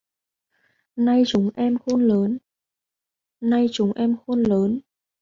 Nay chúng em khôn lớn